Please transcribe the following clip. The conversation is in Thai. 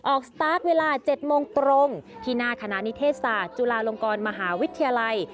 สตาร์ทเวลา๗โมงตรงที่หน้าคณะนิเทศศาสตร์จุฬาลงกรมหาวิทยาลัย